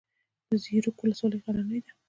د زیروک ولسوالۍ غرنۍ ده